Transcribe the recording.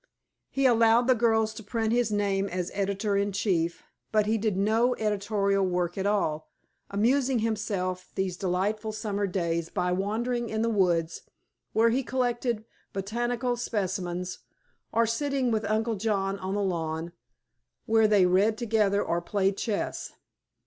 He allowed the girls to print his name as editor in chief, but he did no editorial work at all, amusing himself these delightful summer days by wandering in the woods, where he collected botanical specimens, or sitting with Uncle John on the lawn, where they read together or played chess.